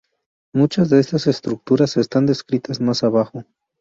Muchas de estas estructuras están descritas más abajo.